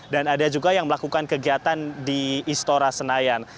dan ada juga yang melakukan kegiatan di istora senayan